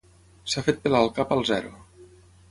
S'ha fet pelar el cap al zero.